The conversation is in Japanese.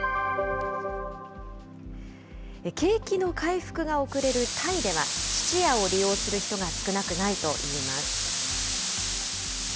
景気の回復が遅れるタイでは、質屋を利用する人が少なくないといいます。